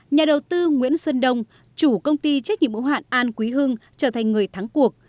nhà đầu tư nguyễn xuân đông chủ công ty trách nhiệm ủng hạn an quý hưng trở thành người thắng cuộc